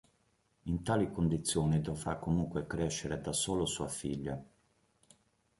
In tali condizioni dovrà comunque crescere da solo sua figlia.